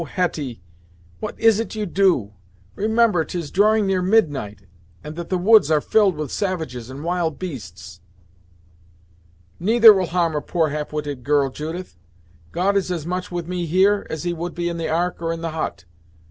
Hetty what is't you do! Remember 'tis drawing near midnight, and that the woods are filled with savages and wild beasts!" "Neither will harm a poor half witted girl, Judith. God is as much with me, here, as he would be in the Ark or in the hut.